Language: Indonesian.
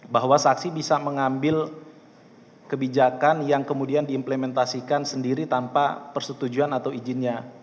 bahwa saksi bisa mengambil kebijakan yang kemudian diimplementasikan sendiri tanpa persetujuan atau izinnya